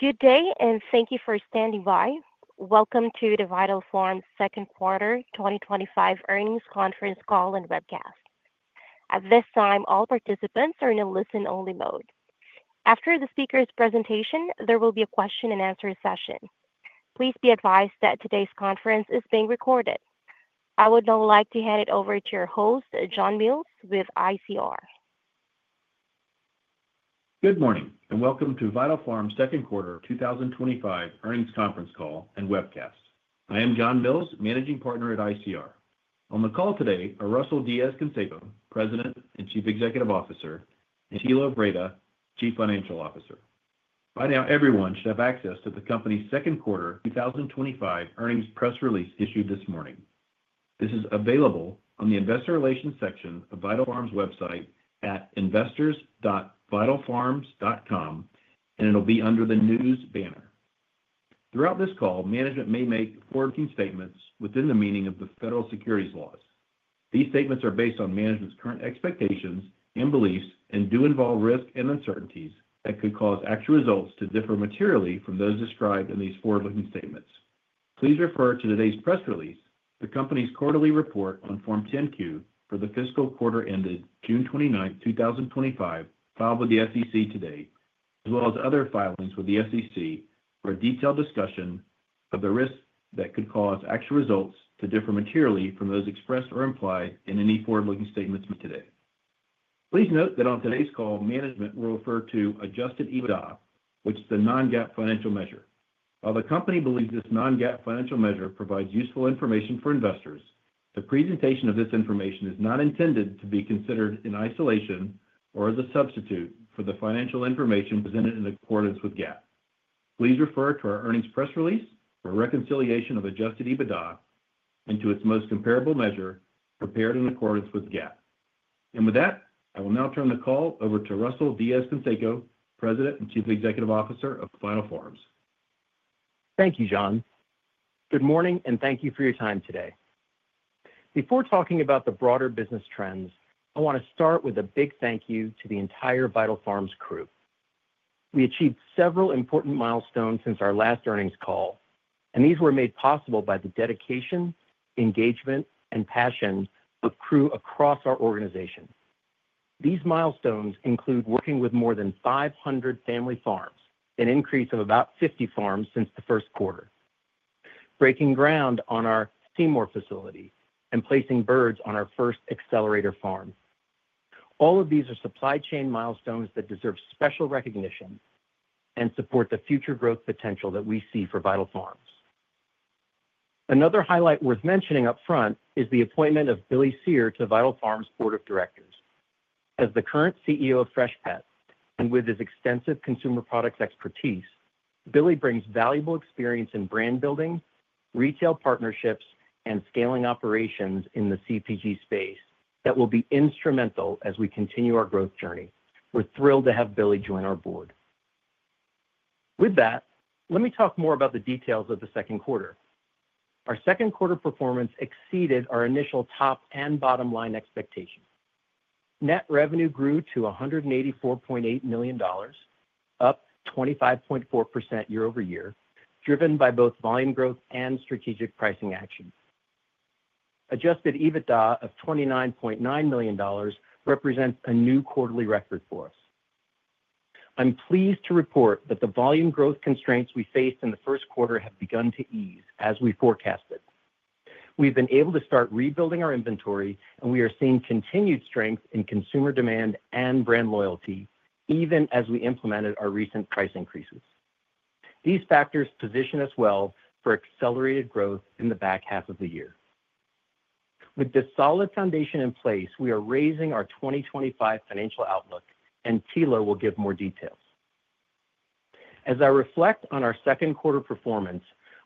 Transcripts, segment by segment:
Good day, and thank you for standing by. Welcome to the Vital Farms second quarter 2025 earnings conference call and webcast. At this time, all participants are in a listen-only mode. After the speaker's presentation, there will be a question and answer session. Please be advised that today's conference is being recorded. I would now like to hand it over to our host, John Mills, with ICR. Good morning, and welcome to Vital Farms second quarter 2025 earnings conference call and webcast. I am John Mills, Managing Partner at ICR. On the call today are Russell Diez-Canseco, President and Chief Executive Officer, and Thilo Wrede, Chief Financial Officer. By now, everyone should have access to the company's second quarter 2025 earnings press release issued this morning. This is available on the Investor Relations section of Vital Farms' website at investors.vitalfarms.com, and it will be under the news banner. Throughout this call, management may make forward-looking statements within the meaning of the federal securities laws. These statements are based on management's current expectations and beliefs and do involve risks and uncertainties that could cause actual results to differ materially from those described in these forward-looking statements. Please refer to today's press release, the company's quarterly report on Form 10-Q for the fiscal quarter ended June 29, 2025, filed with the SEC today, as well as other filings with the SEC for a detailed discussion of the risks that could cause actual results to differ materially from those expressed or implied in any forward-looking statements today. Please note that on today's call, management will refer to adjusted EBITDA, which is a non-GAAP financial measure. While the company believes this non-GAAP financial measure provides useful information for investors, the presentation of this information is not intended to be considered in isolation or as a substitute for the financial information presented in accordance with GAAP. Please refer to our earnings press release for a reconciliation of adjusted EBITDA to its most comparable measure prepared in accordance with GAAP. With that, I will now turn the call over to Russell Diez-Canseco, President and Chief Executive Officer of Vital Farms. Thank you, John. Good morning, and thank you for your time today. Before talking about the broader business trends, I want to start with a big thank you to the entire Vital Farms crew. We achieved several important milestones since our last earnings call, and these were made possible by the dedication, engagement, and passion of crew across our organization. These milestones include working with more than 500 family farms, an increase of about 50 farms since the first quarter, breaking ground on our Seymour facility, and placing birds on our first accelerator farm. All of these are supply chain milestones that deserve special recognition and support the future growth potential that we see for Vital Farms. Another highlight worth mentioning up front is the appointment of Billy Cyr to Vital Farms' Board of Directors. As the current CEO of Freshpet, and with his extensive consumer products expertise, Billy brings valuable experience in brand building, retail partnerships, and scaling operations in the CPG space that will be instrumental as we continue our growth journey. We're thrilled to have Billy join our board. With that, let me talk more about the details of the second quarter. Our second-quarter performance exceeded our initial top and bottom-line expectations. Net revenue grew to $184.8 million, up 25.4% year-over-year, driven by both volume growth and strategic pricing action. Adjusted EBITDA of $29.9 million represents a new quarterly record for us. I'm pleased to report that the volume growth constraints we faced in the first quarter have begun to ease as we forecasted. We've been able to start rebuilding our inventory, and we are seeing continued strength in consumer demand and brand loyalty, even as we implemented our recent price increases. These factors position us well for accelerated growth in the back half of the year. With this solid foundation in place, we are raising our 2025 financial outlook, and Thilo will give more details. As I reflect on our second quarter performance,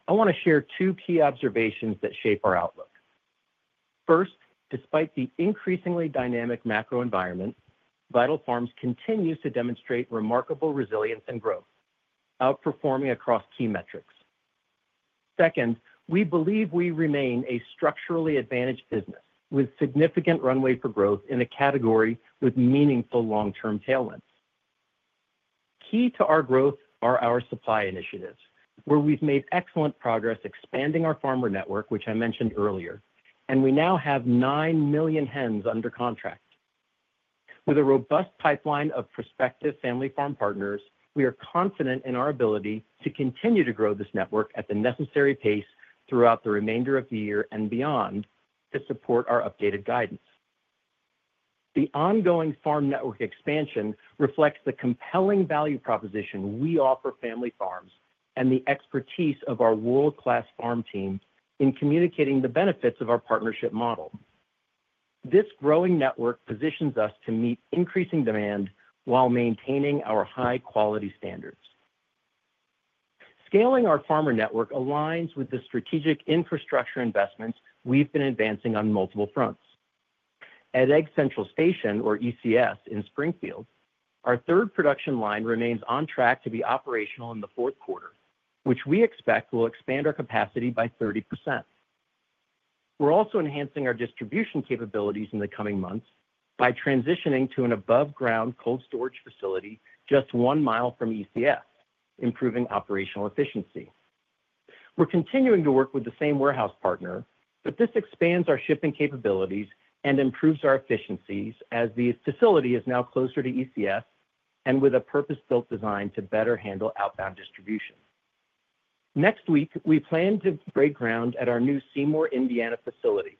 I want to share two key observations that shape our outlook. First, despite the increasingly dynamic macro environment, Vital Farms continues to demonstrate remarkable resilience and growth, outperforming across key metrics. Second, we believe we remain a structurally advantaged business with significant runway for growth in a category with meaningful long-term tailwinds. Key to our growth are our supply initiatives, where we've made excellent progress expanding our farmer network, which I mentioned earlier, and we now have 9 million hens under contract. With a robust pipeline of prospective family farm partners, we are confident in our ability to continue to grow this network at the necessary pace throughout the remainder of the year and beyond to support our updated guidance. The ongoing farm network expansion reflects the compelling value proposition we offer family farms and the expertise of our world-class farm team in communicating the benefits of our partnership model. This growing network positions us to meet increasing demand while maintaining our high-quality standards. Scaling our farmer network aligns with the strategic infrastructure investments we've been advancing on multiple fronts. At Egg Central Station, or ECS, in Springfield, our third production line remains on track to be operational in the fourth quarter, which we expect will expand our capacity by 30%. We're also enhancing our distribution capabilities in the coming months by transitioning to an above-ground cold storage facility just one mile from ECS, improving operational efficiency. We're continuing to work with the same warehouse partner, but this expands our shipping capabilities and improves our efficiencies as the facility is now closer to ECS and with a purpose-built design to better handle outbound distribution. Next week, we plan to break ground at our new Seymour, Indiana facility.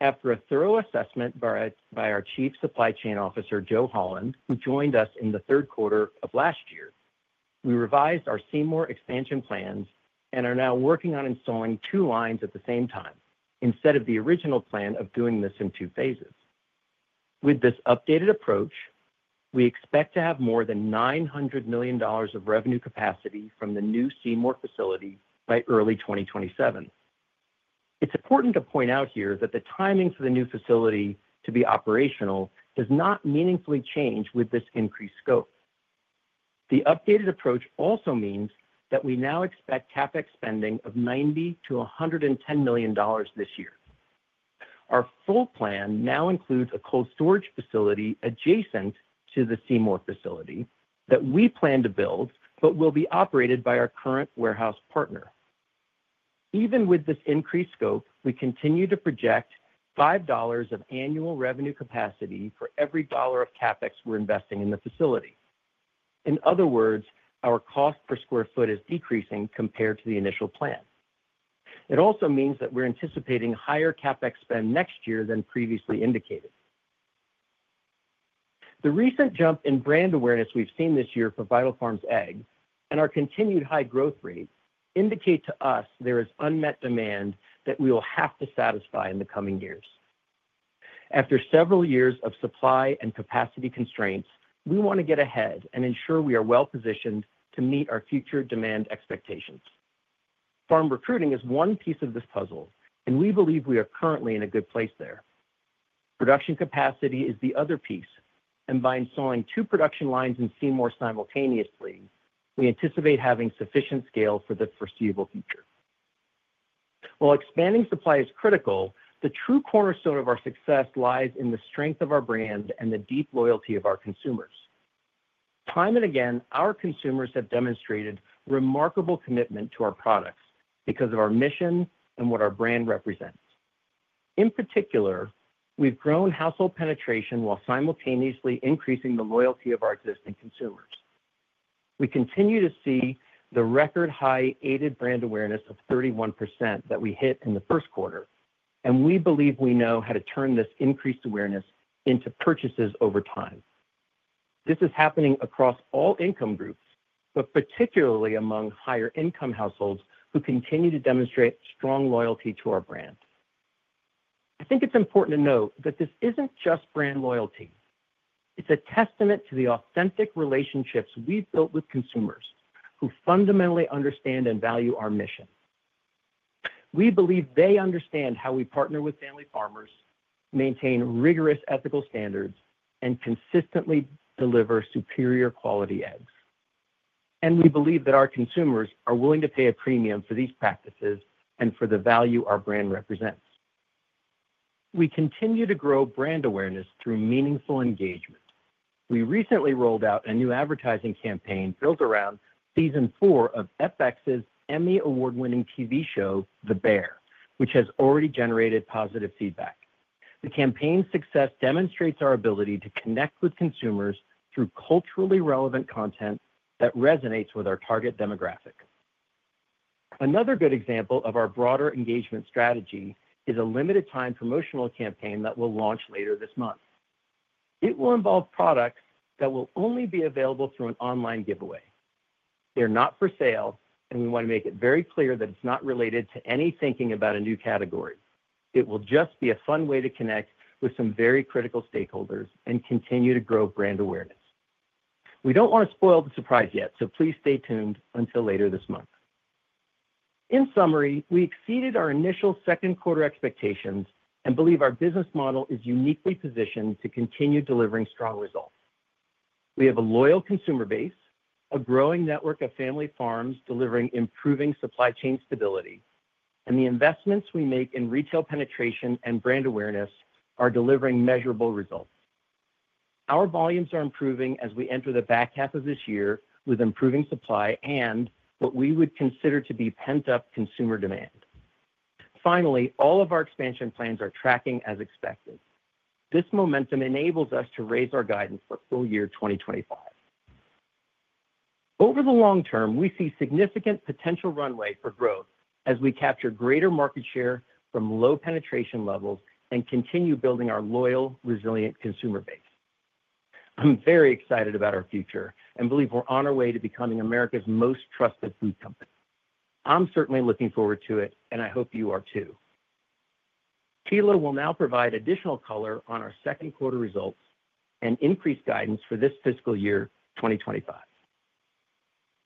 After a thorough assessment by our Chief Supply Chain Officer, Joe Holland, who joined us in the third quarter of last year, we revised our Seymour expansion plans and are now working on installing two lines at the same time, instead of the original plan of doing this in two phases. With this updated approach, we expect to have more than $900 million of revenue capacity from the new Seymour facility by early 2027. It's important to point out here that the timing for the new facility to be operational does not meaningfully change with this increased scope. The updated approach also means that we now expect CapEx spending of $90 million-$110 million this year. Our full plan now includes a cold storage facility adjacent to the Seymour facility that we plan to build but will be operated by our current warehouse partner. Even with this increased scope, we continue to project $5 of annual revenue capacity for every dollar of CapEx we're investing in the facility. In other words, our cost per square foot is decreasing compared to the initial plan. It also means that we're anticipating higher CapEx spend next year than previously indicated. The recent jump in brand awareness we've seen this year for Vital Farms Egg and our continued high growth rate indicate to us there is unmet demand that we will have to satisfy in the coming years. After several years of supply and capacity constraints, we want to get ahead and ensure we are well positioned to meet our future demand expectations. Farm recruiting is one piece of this puzzle, and we believe we are currently in a good place there. Production capacity is the other piece, and by installing two production lines in Seymour simultaneously, we anticipate having sufficient scale for the foreseeable future. While expanding supply is critical, the true cornerstone of our success lies in the strength of our brand and the deep loyalty of our consumers. Time and again, our consumers have demonstrated remarkable commitment to our products because of our mission and what our brand represents. In particular, we've grown household penetration while simultaneously increasing the loyalty of our existing consumers. We continue to see the record-high aided brand awareness of 31% that we hit in the first quarter, and we believe we know how to turn this increased awareness into purchases over time. This is happening across all income groups, particularly among higher-income households who continue to demonstrate strong loyalty to our brand. I think it's important to note that this isn't just brand loyalty. It's a testament to the authentic relationships we've built with consumers who fundamentally understand and value our mission. We believe they understand how we partner with family farmers, maintain rigorous ethical standards, and consistently deliver superior quality eggs. We believe that our consumers are willing to pay a premium for these practices and for the value our brand represents. We continue to grow brand awareness through meaningful engagement. We recently rolled out a new advertising campaign built around season four of FX's Emmy Award-winning TV show, The, which has already generated positive feedback. The campaign's success demonstrates our ability to connect with consumers through culturally relevant content that resonates with our target demographic. Another good example of our broader engagement strategy is a limited-time promotional campaign that will launch later this month. It will involve products that will only be available through an online giveaway. They're not for sale, and we want to make it very clear that it's not related to any thinking about a new category. It will just be a fun way to connect with some very critical stakeholders and continue to grow brand awareness. We don't want to spoil the surprise yet, so please stay tuned until later this month. In summary, we exceeded our initial second quarter expectations and believe our business model is uniquely positioned to continue delivering strong results. We have a loyal consumer base, a growing network of family farms delivering improving supply chain stability, and the investments we make in retail penetration and brand awareness are delivering measurable results. Our volumes are improving as we enter the back half of this year with improving supply and what we would consider to be pent-up consumer demand. Finally, all of our expansion plans are tracking as expected. This momentum enables us to raise our guidance for full year 2025. Over the long term, we see significant potential runway for growth as we capture greater market share from low penetration levels and continue building our loyal, resilient consumer base. I'm very excited about our future and believe we're on our way to becoming America's most trusted food company. I'm certainly looking forward to it, and I hope you are too. Thilo will now provide additional color on our second quarter results and increased guidance for this fiscal year 2025.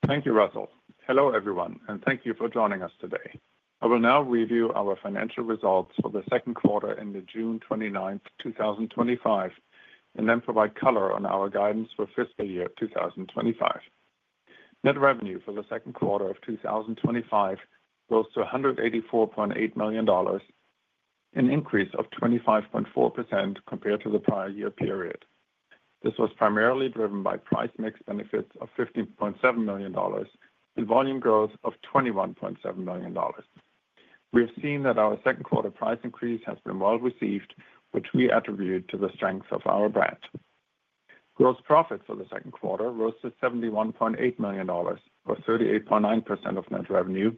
Thank you, Russell. Hello, everyone, and thank you for joining us today. I will now review our financial results for the second quarter ending June 29th, 2025, and then provide color on our guidance for fiscal year 2025. Net revenue for the second quarter of 2025 rose to $184.8 million, an increase of 25.4% compared to the prior year period. This was primarily driven by price mix benefits of $15.7 million and volume growth of $21.7 million. We have seen that our second-quarter price increase has been well-received, which we attribute to the strength of our brand. Gross profit for the second quarter rose to $71.8 million, or 38.9% of net revenue,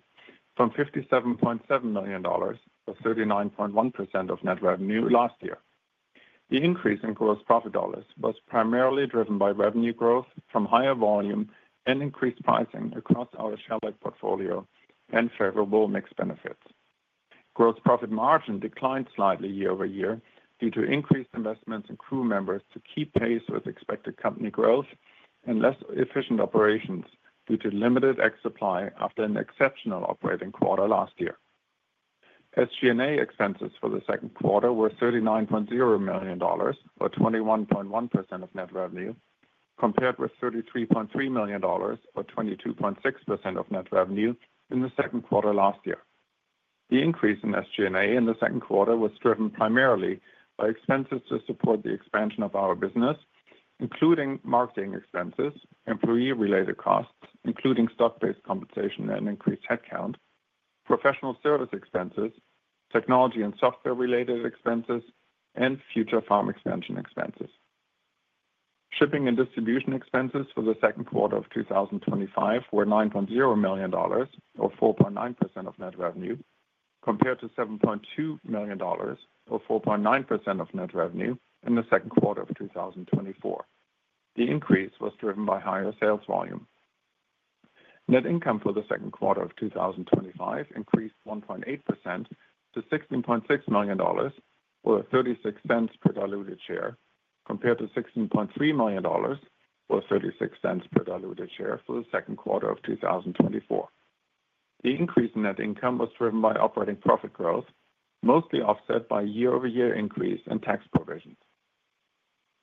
from $57.7 million, or 39.1% of net revenue last year. The increase in gross profit dollars was primarily driven by revenue growth from higher volume and increased pricing across our shell egg portfolio and favorable mix benefits. Gross profit margin declined slightly year-over-year due to increased investments in crew members to keep pace with expected company growth and less efficient operations due to limited egg supply after an exceptional operating quarter last year. SG&A expenses for the second quarter were $39.0 million, or 21.1% of net revenue, compared with $33.3 million, or 22.6% of net revenue in the second quarter last year. The increase in SG&A in the second quarter was driven primarily by expenses to support the expansion of our business, including marketing expenses, employee-related costs, including stock-based compensation and increased headcount, professional service expenses, technology and software-related expenses, and future farm expansion expenses. Shipping and distribution expenses for the second quarter of 2025 were $9.0 million, or 4.9% of net revenue, compared to $7.2 million, or 4.9% of net revenue in the second quarter of 2024. The increase was driven by higher sales volume. Net income for the second quarter of 2025 increased 1.8% to $16.6 million, or $0.36 per diluted share, compared to $16.3 million, or $0.36 per diluted share for the second quarter of 2024. The increase in net income was driven by operating profit growth, mostly offset by year-over-year increase in tax provisions.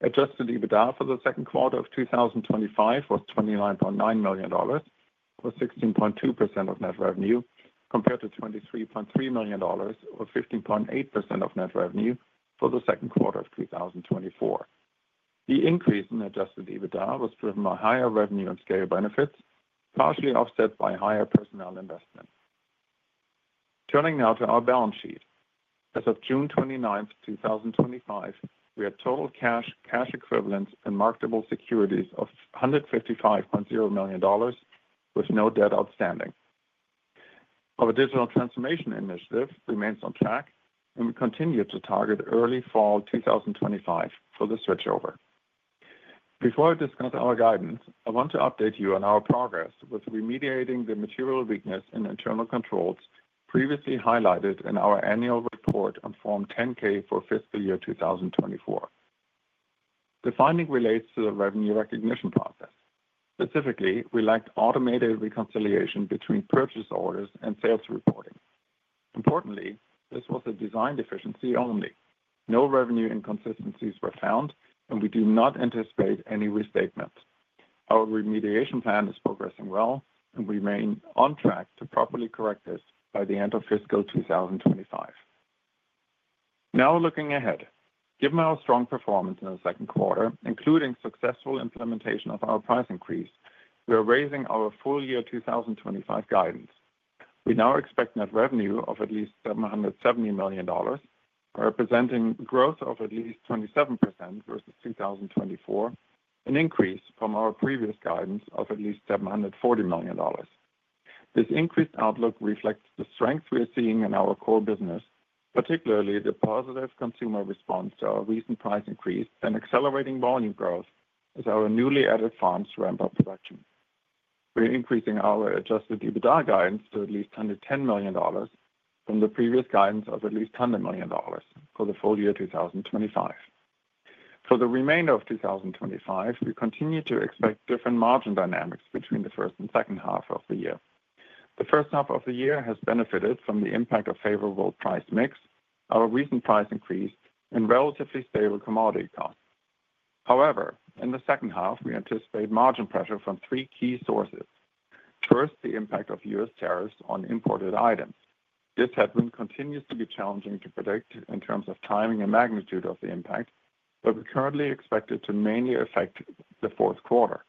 Adjusted EBITDA for the second quarter of 2025 was $29.9 million, or 16.2% of net revenue, compared to $23.3 million, or 15.8% of net revenue for the second quarter of 2024. The increase in adjusted EBITDA was driven by higher revenue and scale benefits, partially offset by higher personnel investments. Turning now to our balance sheet. As of June 29th, 2025, we had total cash, cash equivalents, and marketable securities of $155.0 million, with no debt outstanding. Our digital transformation initiative remains on track, and we continue to target early fall 2025 for the switchover. Before I discuss our guidance, I want to update you on our progress with remediating the material weakness in internal controls previously highlighted in our annual report on Form 10-K for fiscal year 2024. The finding relates to the revenue recognition process. Specifically, we lacked automated reconciliation between purchase orders and sales reporting. Importantly, this was a design deficiency only. No revenue inconsistencies were found, and we do not anticipate any restatements. Our remediation plan is progressing well, and we remain on track to properly correct this by the end of fiscal 2025. Now looking ahead, given our strong performance in the second quarter, including successful implementation of our price increase, we are raising our full-year 2025 guidance. We now expect net revenue of at least $770 million, representing growth of at least 27% versus 2024, an increase from our previous guidance of at least $740 million. This increased outlook reflects the strengths we are seeing in our core business, particularly the positive consumer response to our recent price increase and accelerating volume growth as our newly added farms ramp up production. We are increasing our adjusted EBITDA guidance to at least $110 million from the previous guidance of at least $100 million for the full year 2025. For the remainder of 2025, we continue to expect different margin dynamics between the first and second half of the year. The first half of the year has benefited from the impact of favorable price mix, our recent price increase, and relatively stable commodity costs. However, in the second half, we anticipate margin pressure from three key sources. First, the impact of U.S. tariffs on imported items. This headwind continues to be challenging to predict in terms of timing and magnitude of the impact, but we currently expect it to mainly affect the fourth quarter.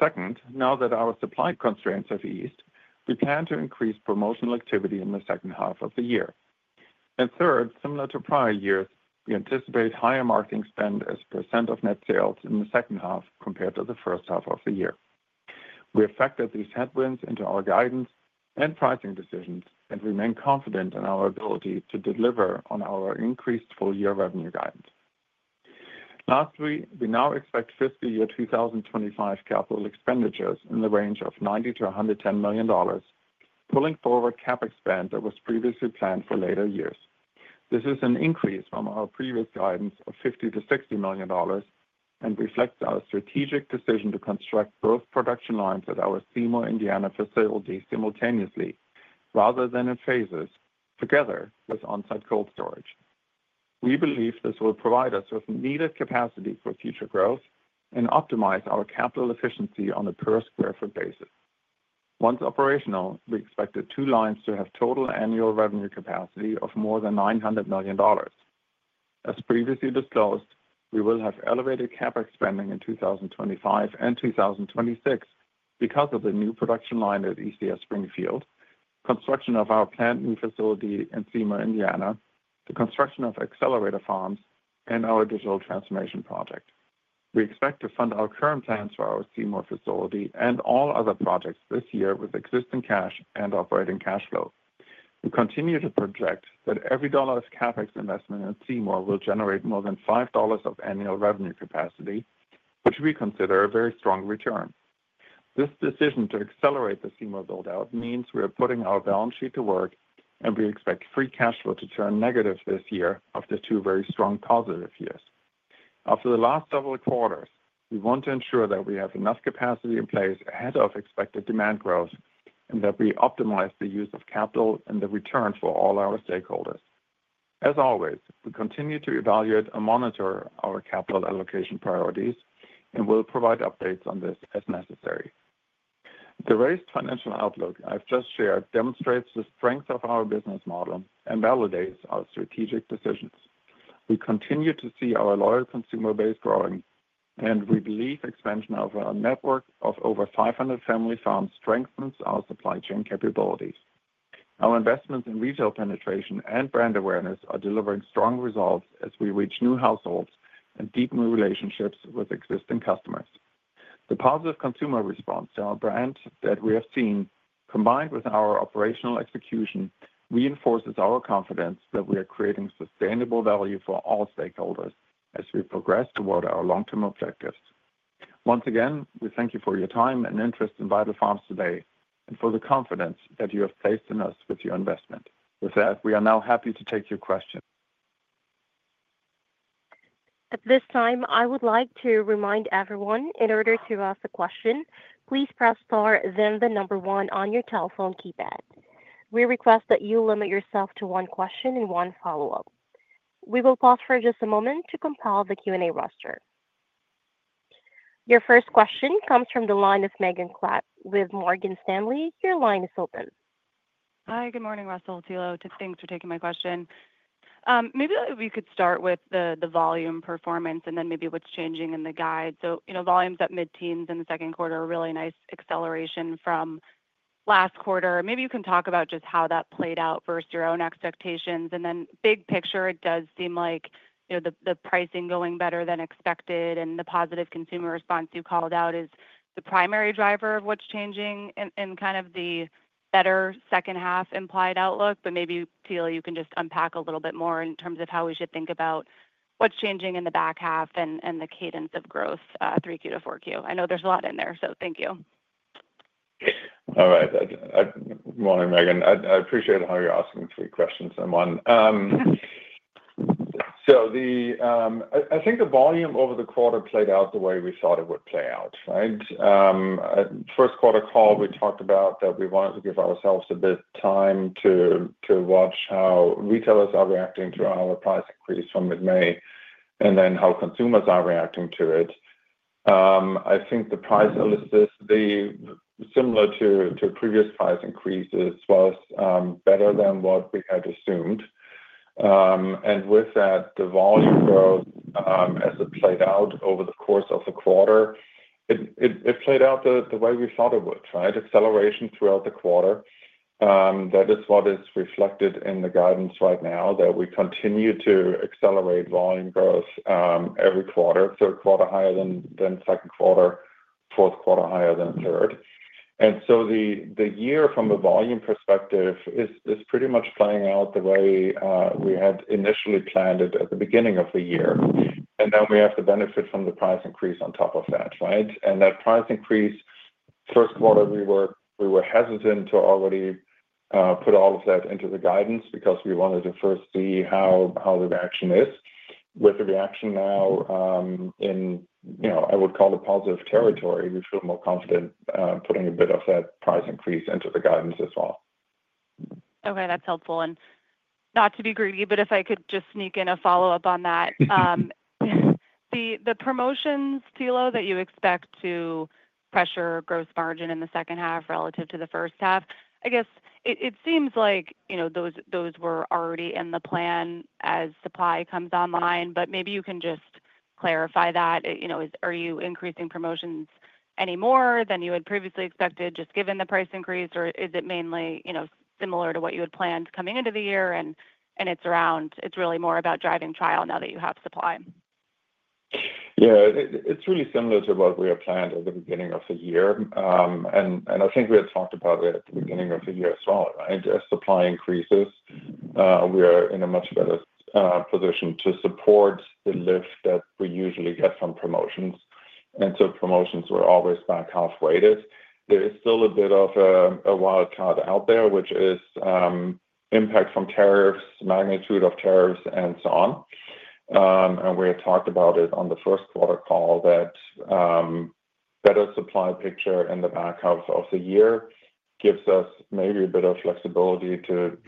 Second, now that our supply constraints have eased, we plan to increase promotional activity in the second half of the year. Third, similar to prior years, we anticipate higher marketing spend as a percent of net sales in the second half compared to the first half of the year. We have factored these headwinds into our guidance and pricing decisions and remain confident in our ability to deliver on our increased full-year revenue guidance. Lastly, we now expect fiscal year 2025 capital expenditures in the range of $90 million-$110 million, pulling forward CapEx spend that was previously planned for later years. This is an increase from our previous guidance of $50 million-$60 million and reflects our strategic decision to construct both production lines at our Seymour, Indiana facility simultaneously, rather than in phases, together with on-site cold storage. We believe this will provide us with needed capacity for future growth and optimize our capital efficiency on a per square foot basis. Once operational, we expect the two lines to have total annual revenue capacity of more than $900 million. As previously disclosed, we will have elevated CapEx spending in 2025 and 2026 because of the new production line at Egg Central Station in Springfield, construction of our new facility in Seymour, Indiana, the construction of accelerator farms, and our digital transformation project. We expect to fund our current plans for our Seymour facility and all other projects this year with existing cash and operating cash flow. We continue to project that every dollar of CapEx investment at Seymour will generate more than $5 of annual revenue capacity, which we consider a very strong return. This decision to accelerate the Seymour build-out means we are putting our balance sheet to work, and we expect free cash flow to turn negative this year after two very strong positive years. After the last several quarters, we want to ensure that we have enough capacity in place ahead of expected demand growth and that we optimize the use of capital and the return for all our stakeholders. As always, we continue to evaluate and monitor our capital allocation priorities, and we'll provide updates on this as necessary. The raised financial outlook I've just shared demonstrates the strength of our business model and validates our strategic decisions. We continue to see our loyal consumer base growing, and we believe expansion of our network of over 500 family farms strengthens our supply chain capabilities. Our investments in retail penetration and brand awareness are delivering strong results as we reach new households and deepen new relationships with existing customers. The positive consumer response to our brand that we have seen, combined with our operational execution, reinforces our confidence that we are creating sustainable value for all stakeholders as we progress toward our long-term objectives. Once again, we thank you for your time and interest in Vital Farms today and for the confidence that you have placed in us with your investment. With that, we are now happy to take your questions. At this time, I would like to remind everyone, in order to ask a question, please press star, then the number one on your telephone keypad. We request that you limit yourself to one question and one follow-up. We will pause for just a moment to compile the Q&A roster. Your first question comes from the line of Megan Clapp with Morgan Stanley. Your line is open. Hi, good morning, Russell, Thilo. Thanks for taking my question. Maybe we could start with the volume performance and then maybe what's changing in the guide. Volumes at mid-teens in the second quarter, a really nice acceleration from last quarter. Maybe you can talk about just how that played out versus your own expectations. It does seem like the pricing going better than expected and the positive consumer response you called out is the primary driver of what's changing in kind of the better second-half implied outlook. Maybe, Thilo, you can just unpack a little bit more in terms of how we should think about what's changing in the back half and the cadence of growth 3Q to 4Q. I know there's a lot in there, so thank you. All right. Good morning, Megan. I appreciate how you're asking three questions in one. I think the volume over the quarter played out the way we thought it would play out, right? At the first quarter call, we talked about that we wanted to give ourselves a bit of time to watch how retailers are reacting to our price increase from mid-May and then how consumers are reacting to it. I think the price elasticity, similar to previous price increases, was better than what we had assumed. With that, the volume growth, as it played out over the course of the quarter, it played out the way we thought it would, right? Acceleration throughout the quarter. That is what is reflected in the guidance right now, that we continue to accelerate volume growth every quarter. Third quarter higher than second quarter, fourth quarter higher than third. The year from a volume perspective is pretty much playing out the way we had initially planned it at the beginning of the year. Now we have to benefit from the price increase on top of that, right? That price increase, first quarter, we were hesitant to already put all of that into the guidance because we wanted to first see how the reaction is. With the reaction now in, you know, I would call it positive territory, we feel more confident putting a bit of that price increase into the guidance as well. Okay, that's helpful. If I could just sneak in a follow-up on that. The promotions, Thilo, that you expect to pressure gross margin in the second half relative to the first half, it seems like those were already in the plan as supply comes online, but maybe you can just clarify that. Are you increasing promotions any more than you had previously expected just given the price increase, or is it mainly similar to what you had planned coming into the year and it's really more about driving trial now that you have supply? Yeah, it's really similar to what we had planned at the beginning of the year. I think we had talked about it at the beginning of the year as well, right? As supply increases, we are in a much better position to support the lift that we usually get from promotions. Promotions were always back half weighted. There is still a bit of a wildcard out there, which is impact from tariffs, magnitude of tariffs, and so on. We had talked about it on the first quarter call that better supply picture in the back half of the year gives us maybe a bit of flexibility to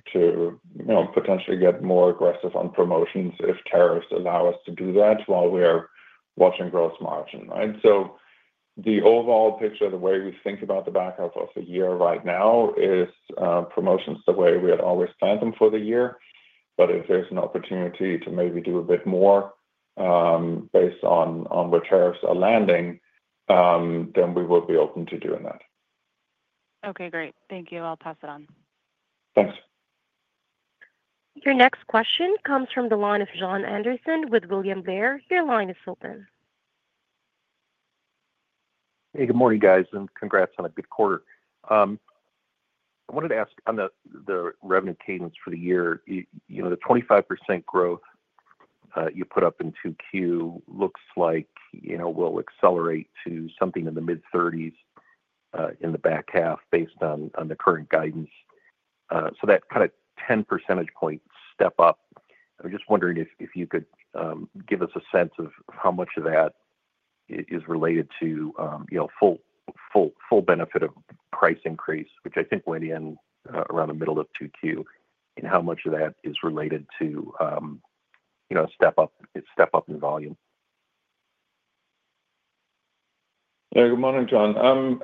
potentially get more aggressive on promotions if tariffs allow us to do that while we are watching gross margin, right? The overall picture, the way we think about the back half of the year right now is promotions the way we had always planned them for the year. If there's an opportunity to maybe do a bit more based on where tariffs are landing, then we would be open to doing that. Okay, great. Thank you. I'll pass it on. Thanks. Your next question comes from the line of Jon Andersen with William Blair. Your line is open. Hey, good morning, guys, and congrats on a good quarter. I wanted to ask on the revenue cadence for the year, you know, the 25% growth you put up in 2Q looks like, you know, we'll accelerate to something in the mid-30% in the back half based on the current guidance. That kind of 10% point step up, I was just wondering if you could give us a sense of how much of that is related to, you know, full benefit of price increase, which I think went in around the middle of 2Q, and how much of that is related to a step up in volume? Yeah, good morning, Jon.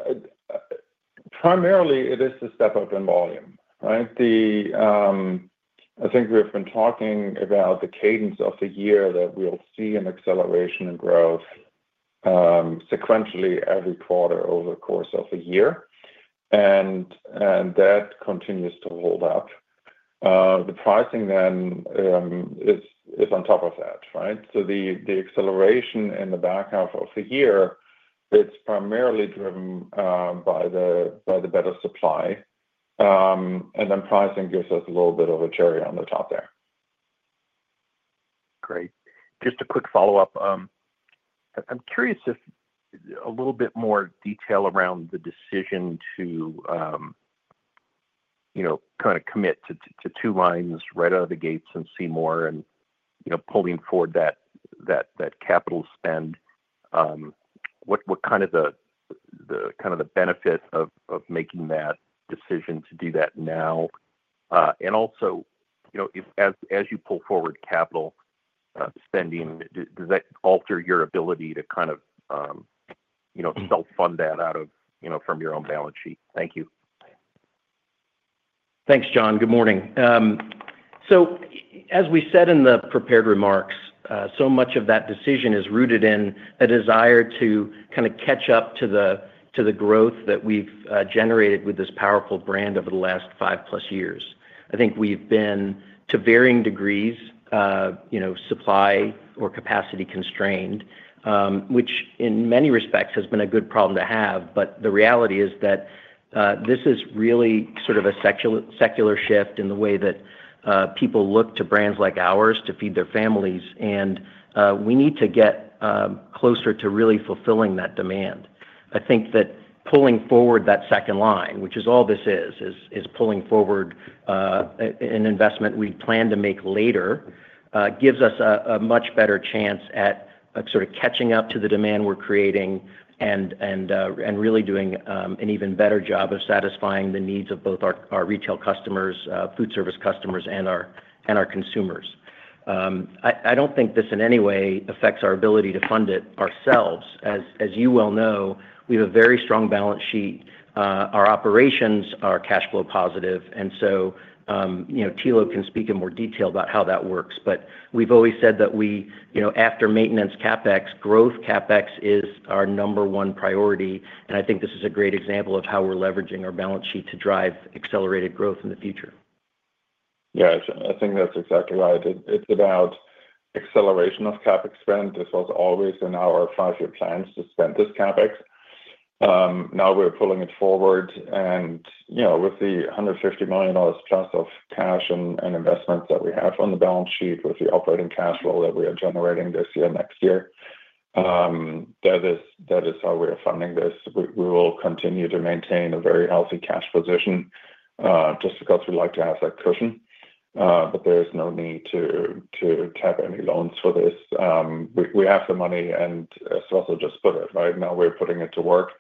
Primarily, it is a step up in volume, right? I think we've been talking about the cadence of the year that we'll see an acceleration in growth sequentially every quarter over the course of a year. That continues to hold up. The pricing then is on top of that, right? The acceleration in the back half of the year is primarily driven by the better supply, and then pricing gives us a little bit of a cherry on the top there. Great. Just a quick follow-up. I'm curious if you could provide a little bit more detail around the decision to commit to two lines right out of the gates in Seymour, and pulling forward that capital spend. What is the benefit of making that decision to do that now? Also, as you pull forward capital spending, does that alter your ability to self-fund that out of your own balance sheet? Thank you. Thanks, Jon. Good morning. As we said in the prepared remarks, so much of that decision is rooted in a desire to kind of catch up to the growth that we've generated with this powerful brand over the last five-plus years. I think we've been, to varying degrees, you know, supply or capacity constrained, which in many respects has been a good problem to have, but the reality is that this is really sort of a secular shift in the way that people look to brands like ours to feed their families, and we need to get closer to really fulfilling that demand. I think that pulling forward that second line, which is all this is, is pulling forward an investment we plan to make later, gives us a much better chance at sort of catching up to the demand we're creating and really doing an even better job of satisfying the needs of both our retail customers, food service customers, and our consumers. I don't think this in any way affects our ability to fund it ourselves. As you well know, we have a very strong balance sheet. Our operations are cash flow positive, and Thilo can speak in more detail about how that works. We've always said that we, you know, after maintenance CapEx, growth CapEx is our number one priority, and I think this is a great example of how we're leveraging our balance sheet to drive accelerated growth in the future. Yeah, I think that's exactly right. It's about acceleration of capital expenditures spend. This was always in our five-year plans to spend this capital expenditures. Now we're pulling it forward, and with the $150 million+ of cash and investments that we have on the balance sheet with the operating cash flow that we are generating this year and next year, that is how we are funding this. We will continue to maintain a very healthy cash position just because we like to have that cushion, but there is no need to tap any loans for this. We have the money, and as Russell just put it, right? Now we're putting it to work,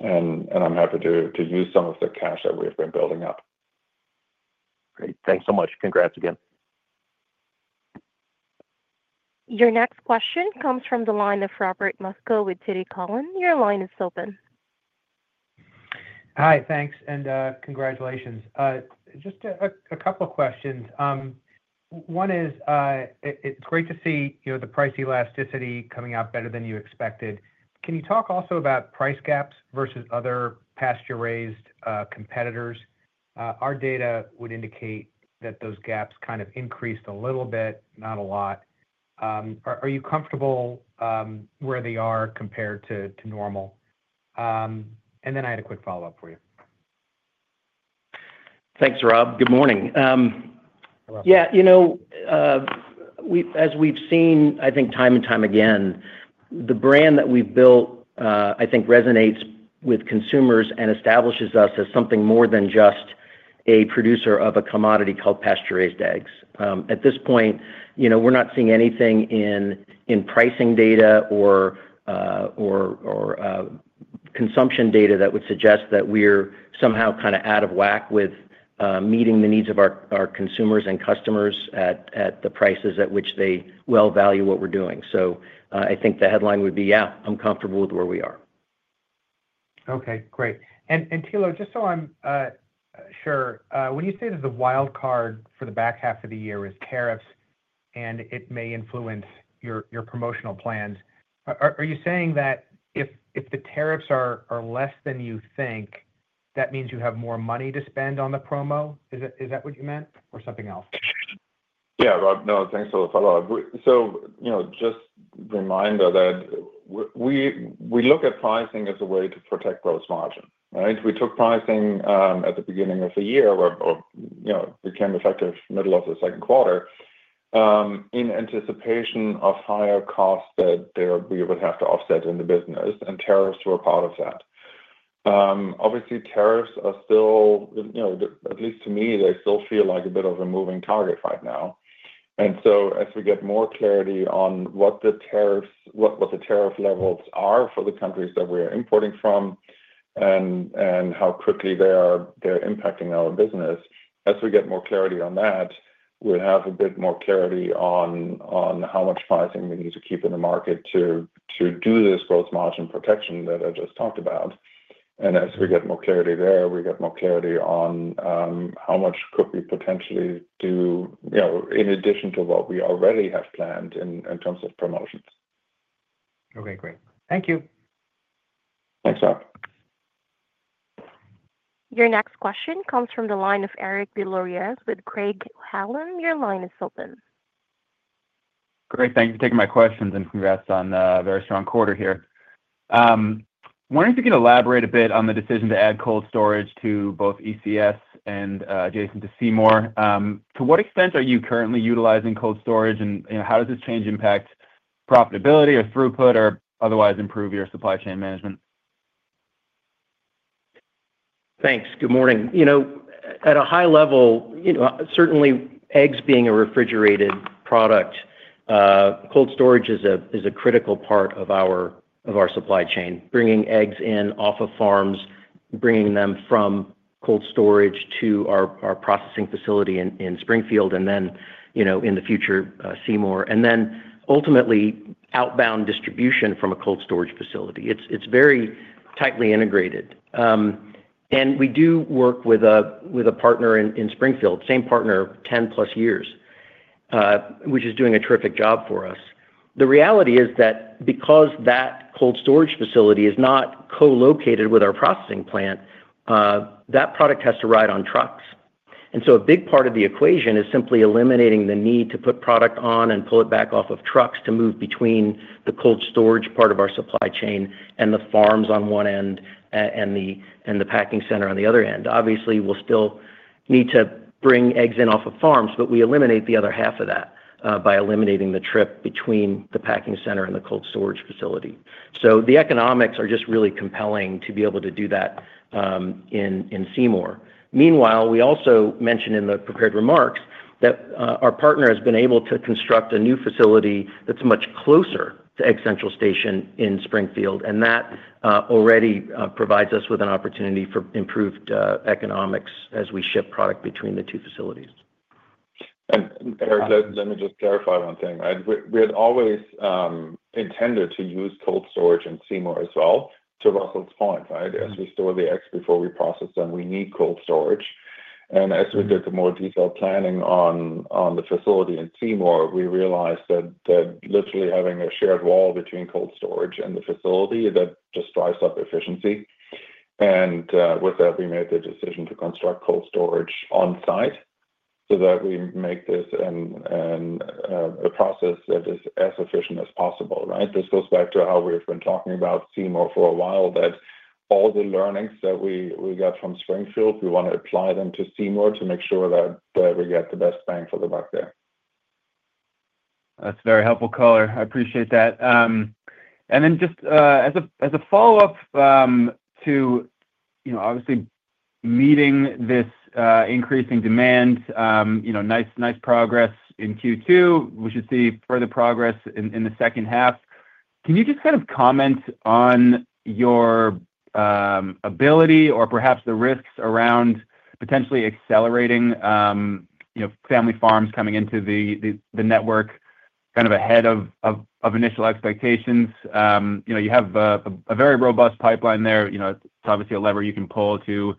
and I'm happy to use some of the cash that we've been building up. Great, thanks so much. Congrats again. Your next question comes from the line of Robert Moskow with TD Cowen. Your line is open. Hi, thanks, and congratulations. Just a couple of questions. One is, it's great to see, you know, the price elasticity coming out better than you expected. Can you talk also about price gaps versus other pasture-raised competitors? Our data would indicate that those gaps kind of increased a little bit, not a lot. Are you comfortable where they are compared to normal? I had a quick follow-up for you. Thanks, Rob. Good morning. Yeah, as we've seen, I think time and time again, the brand that we've built, I think, resonates with consumers and establishes us as something more than just a producer of a commodity called pasture-raised eggs. At this point, we're not seeing anything in pricing data or consumption data that would suggest that we're somehow kind of out of whack with meeting the needs of our consumers and customers at the prices at which they value what we're doing. I think the headline would be, yeah, I'm comfortable with where we are. Okay, great. Thilo, just so I'm sure, when you say that the wildcard for the back half of the year is tariffs and it may influence your promotional plans, are you saying that if the tariffs are less than you think, that means you have more money to spend on the promo? Is that what you meant? Or something else? Thank you for the follow-up. Just a reminder that we look at pricing as a way to protect gross margin, right? We took pricing at the beginning of the year, or became effective middle of the second quarter in anticipation of higher costs that we would have to offset in the business, and tariffs were a part of that. Obviously, tariffs are still, at least to me, they still feel like a bit of a moving target right now. As we get more clarity on what the tariff levels are for the countries that we are importing from and how quickly they're impacting our business, as we get more clarity on that, we'll have a bit more clarity on how much pricing we need to keep in the market to do this gross margin protection that I just talked about. As we get more clarity there, we get more clarity on how much could we potentially do, in addition to what we already have planned in terms of promotions. Okay, great. Thank you. Thanks, Rob. Your next question comes from the line of Eric Des Lauriers with Craig-Hallum. Your line is open. Great. Thank you for taking my questions and congrats on a very strong quarter here. I'm wondering if you could elaborate a bit on the decision to add cold storage to both Egg Central Station and adjacent to Seymour. To what extent are you currently utilizing cold storage, and how does this change impact profitability or throughput or otherwise improve your supply chain management? Thanks. Good morning. At a high level, certainly eggs being a refrigerated product, cold storage is a critical part of our supply chain, bringing eggs in off of farms, bringing them from cold storage to our processing facility in Springfield and then, in the future, Seymour, and ultimately outbound distribution from a cold storage facility. It's very tightly integrated. We do work with a partner in Springfield, same partner 10+ years, which is doing a terrific job for us. The reality is that because that cold storage facility is not co-located with our processing plant, that product has to ride on trucks. A big part of the equation is simply eliminating the need to put product on and pull it back off of trucks to move between the cold storage part of our supply chain and the farms on one end and the packing center on the other end. Obviously, we'll still need to bring eggs in off of farms, but we eliminate the other half of that by eliminating the trip between the packing center and the cold storage facility. The economics are just really compelling to be able to do that in Seymour. Meanwhile, we also mentioned in the prepared remarks that our partner has been able to construct a new facility that's much closer to Egg Central Station in Springfield, and that already provides us with an opportunity for improved economics as we ship product between the two facilities. Eric, let me just clarify one thing. We had always intended to use cold storage in Seymour as well, to Russell's point, right? As we store the eggs before we process them, we need cold storage. As we did more detailed planning on the facility in Seymour, we realized that literally having a shared wall between cold storage and the facility just drives up efficiency. With that, we made the decision to construct cold storage on site so that we make this a process that is as efficient as possible, right? This goes back to how we've been talking about Seymour for a while, that all the learnings that we got from Springfield, we want to apply them to Seymour to make sure that we get the best bang for the buck there. That's very helpful. I appreciate that. Just as a follow-up to meeting this increasing demand, nice progress in Q2. We should see further progress in the second half. Can you comment on your ability or perhaps the risks around potentially accelerating family farms coming into the network ahead of initial expectations? You have a very robust pipeline there. It's obviously a lever you can pull to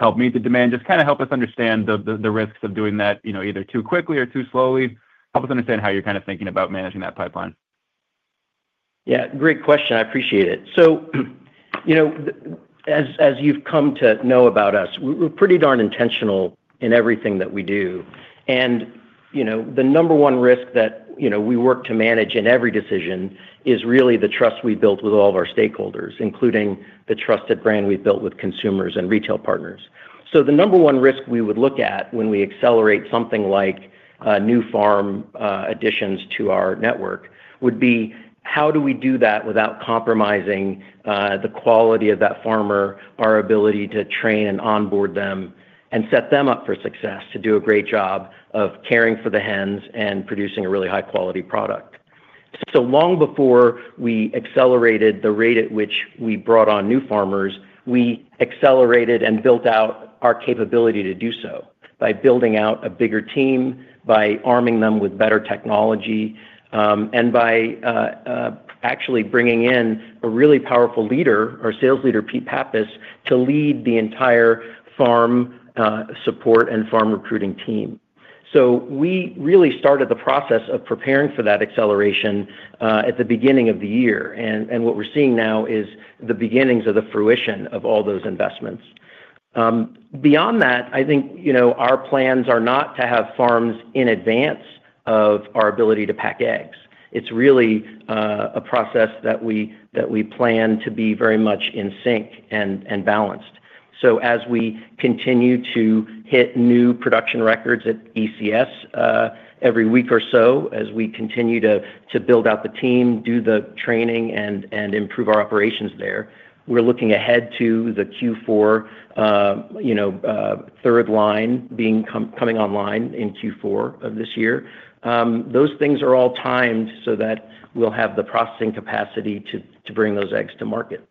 help meet the demand. Help us understand the risks of doing that, either too quickly or too slowly, and how you're thinking about managing that pipeline. Yeah, great question. I appreciate it. As you've come to know about us, we're pretty darn intentional in everything that we do. The number one risk that we work to manage in every decision is really the trust we built with all of our stakeholders, including the trusted brand we built with consumers and retail partners. The number one risk we would look at when we accelerate something like new farm additions to our network would be, how do we do that without compromising the quality of that farmer, our ability to train and onboard them, and set them up for success to do a great job of caring for the hens and producing a really high-quality product? Long before we accelerated the rate at which we brought on new farmers, we accelerated and built out our capability to do so by building out a bigger team, by arming them with better technology, and by actually bringing in a really powerful leader, our sales leader, Peter Pappas, to lead the entire farm support and farm recruiting team. We really started the process of preparing for that acceleration at the beginning of the year. What we're seeing now is the beginnings of the fruition of all those investments. Beyond that, I think our plans are not to have farms in advance of our ability to pack eggs. It's really a process that we plan to be very much in sync and balanced. As we continue to hit new production records at Egg Central Station every week or so, as we continue to build out the team, do the training, and improve our operations there, we're looking ahead to the Q4, third line coming online in Q4 of this year. Those things are all timed so that we'll have the processing capacity to bring those eggs to market.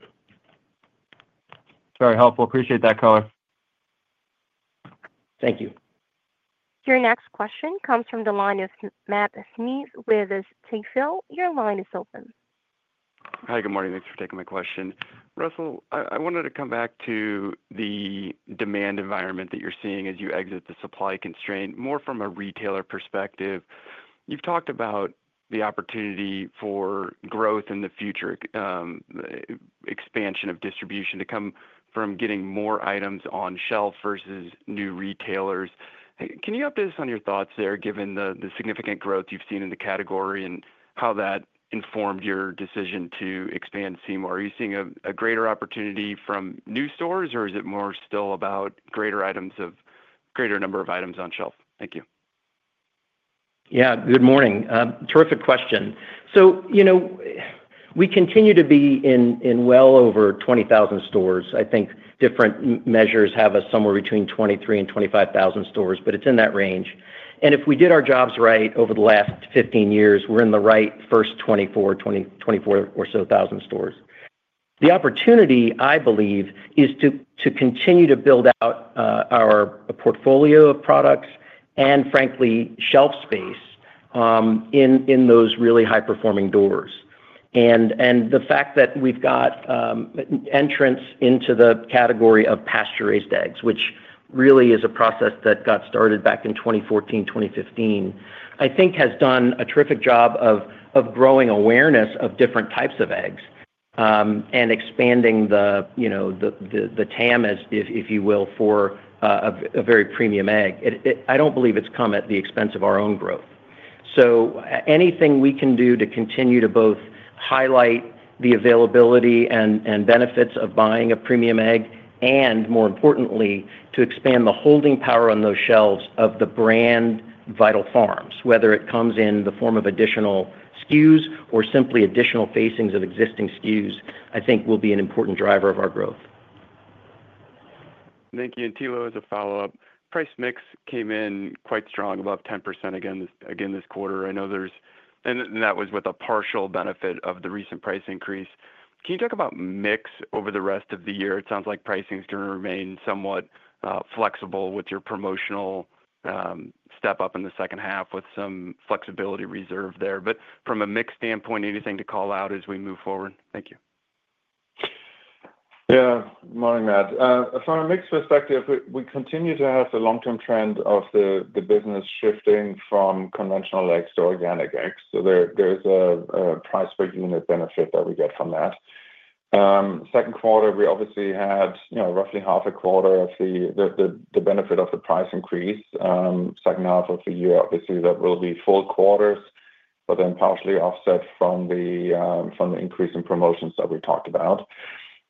Very helpful. Appreciate that, color. Thank you. Your next question comes from the line of Matt Smith with Stifel. Your line is open. Hi, good morning. Thanks for taking my question. Russell, I wanted to come back to the demand environment that you're seeing as you exit the supply constraint, more from a retailer perspective. You've talked about the opportunity for growth in the future, expansion of distribution to come from getting more items on shelf versus new retailers. Can you update us on your thoughts there, given the significant growth you've seen in the category and how that informed your decision to expand Seymour? Are you seeing a greater opportunity from new stores, or is it more still about greater items or a greater number of items on shelf? Thank you. Good morning. Terrific question. We continue to be in well over 20,000 stores. I think different measures have us somewhere between 23,000 and 25,000 stores, but it's in that range. If we did our jobs right over the last 15 years, we're in the right first 24,000 or so stores. The opportunity, I believe, is to continue to build out our portfolio of products and, frankly, shelf space in those really high-performing doors. The fact that we've got entrance into the category of pasture-raised eggs, which really is a process that got started back in 2014, 2015, I think has done a terrific job of growing awareness of different types of eggs and expanding the, you know, the TAM, if you will, for a very premium egg. I don't believe it's come at the expense of our own growth. Anything we can do to continue to both highlight the availability and benefits of buying a premium egg and, more importantly, to expand the holding power on those shelves of the brand Vital Farms, whether it comes in the form of additional SKUs or simply additional facings of existing SKUs, I think will be an important driver of our growth. Thank you. Thilo, as a follow-up, price mix came in quite strong, above 10% again this quarter. I know there's, and that was with a partial benefit of the recent price increase. Can you talk about mix over the rest of the year? It sounds like pricing is going to remain somewhat flexible with your promotional step up in the second half with some flexibility reserved there. From a mix standpoint, anything to call out as we move forward? Thank you. Yeah, good morning, Matt. From a mix perspective, we continue to have the long-term trend of the business shifting from conventional eggs to organic eggs, so there is a price-per-unit benefit that we get from that. Second quarter, we obviously had roughly half a quarter of the benefit of the price increase. Second half of the year, that will be full quarters, but then partially offset from the increase in promotions that we talked about.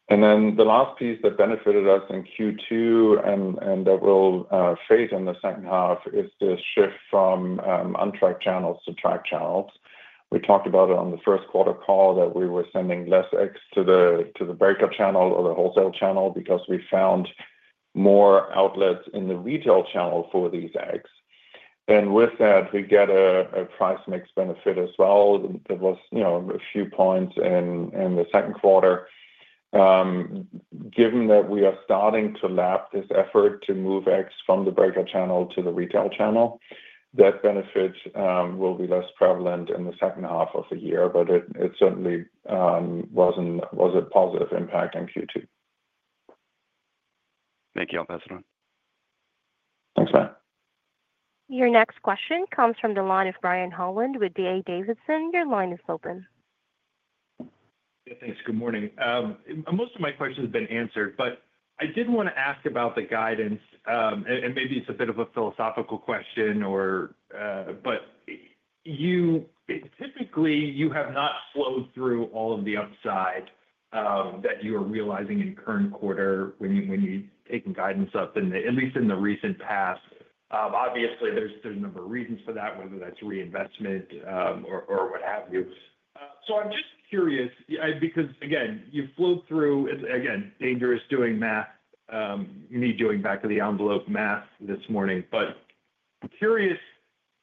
The last piece that benefited us in Q2 and that will fade in the second half is the shift from untracked channels to tracked channels. We talked about it on the first quarter call that we were sending fewer eggs to the breaker channel or the wholesale channel because we found more outlets in the retail channel for these eggs. With that, we get a price mix benefit as well. There was a few points in the second quarter. Given that we are starting to lap this effort to move eggs from the breaker channel to the retail channel, that benefit will be less prevalent in the second half of the year, but it certainly was a positive impact on Q2. Thank you. I'll pass it on. Your next question comes from the line of Brian Holland with D.A. Davidson. Your line is open. Yeah, thanks. Good morning. Most of my questions have been answered, but I did want to ask about the guidance, and maybe it's a bit of a philosophical question, but you typically have not flowed through all of the upside that you are realizing in your current quarter when you've taken guidance up, at least in the recent past. Obviously, there's a number of reasons for that, whether that's reinvestment or what have you. I'm just curious, because again, you've flowed through, again, dangerous doing math, me doing back of the envelope math this morning. I'm curious,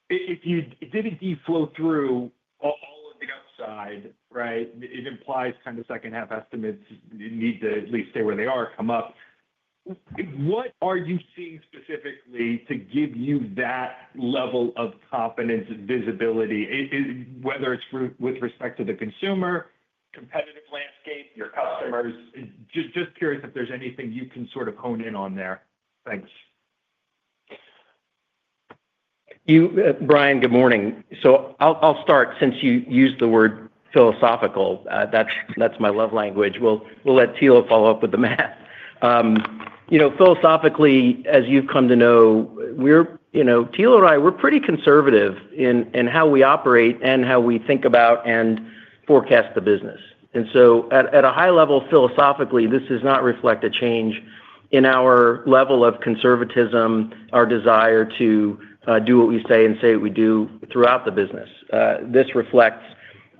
if you did indeed flow through all of the upside, it implies kind of second half estimates need to at least stay where they are, come up. What are you seeing specifically to give you that level of confidence and visibility, whether it's with respect to the consumer, competitive landscape, your customers? Just curious if there's anything you can sort of hone in on there. Thanks. Brian, good morning. I'll start. Since you used the word philosophical, that's my love language. We'll let Thilo follow up with the math. Philosophically, as you've come to know, Thilo and I, we're pretty conservative in how we operate and how we think about and forecast the business. At a high level, philosophically, this does not reflect a change in our level of conservatism, our desire to do what we say and say what we do throughout the business. This reflects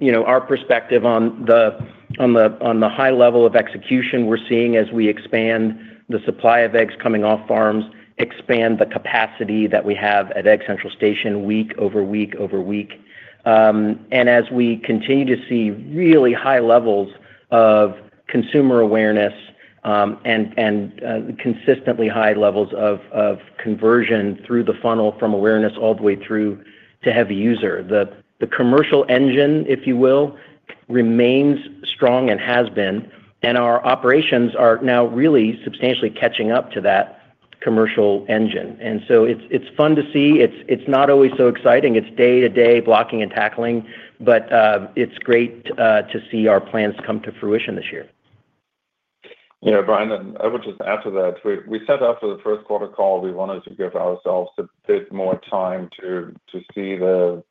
our perspective on the high level of execution we're seeing as we expand the supply of eggs coming off farms, expand the capacity that we have at Egg Central Station week over week over week. As we continue to see really high levels of consumer awareness and consistently high levels of conversion through the funnel from awareness all the way through to heavy user, the commercial engine, if you will, remains strong and has been. Our operations are now really substantially catching up to that commercial engine. It's fun to see. It's not always so exciting. It's day-to-day blocking and tackling, but it's great to see our plans come to fruition this year. You know, Brian, I would just add to that. We said after the first quarter call we wanted to give ourselves a bit more time to see the